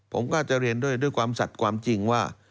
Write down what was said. ผมก็จะเรียนด้วยความสัตว์ความจริงว่า